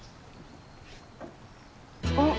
あっ。